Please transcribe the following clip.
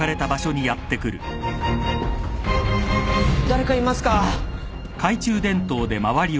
誰かいますか？